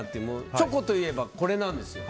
チョコといえばこれなんですよ。